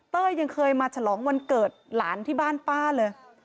ยังเคยมาฉลองวันเกิดหลานที่บ้านป้าเลย